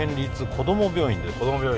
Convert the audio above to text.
こども病院。